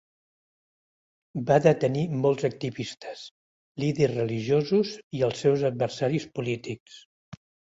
Va detenir molts activistes, líders religiosos, i els seus adversaris polítics.